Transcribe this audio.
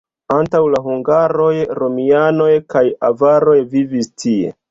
Antaŭ la hungaroj romianoj kaj avaroj vivis tie.